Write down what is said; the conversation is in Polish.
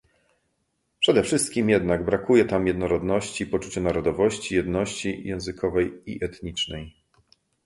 Przede wszystkim jednak brakuje tam jednorodności, poczucia narodowości, jedności językowej i etnicznej